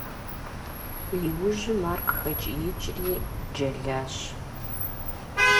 Иужьым ар къыхэкӀиикӀри, джэлащ.